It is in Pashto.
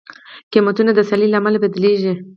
قیمتونه د سیالۍ له امله بدلېږي.